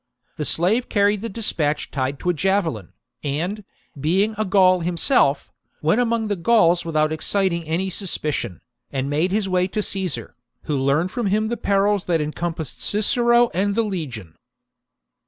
The slave carried the dispatch tied to a javelin, and, being a Gaul him self, went among the Gauls without exciting any suspicion, and made his way to Caesar, who learned from him the perils that encompassed Cicero and the legion.